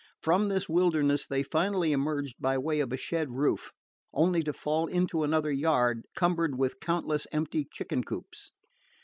From this wilderness they finally emerged by way of a shed roof, only to fall into another yard, cumbered with countless empty chicken coops.